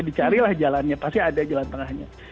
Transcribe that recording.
dicari lah jalannya pasti ada jalan tengahnya